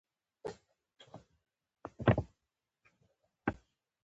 د خوست په علي شیر کې د کرومایټ نښې شته.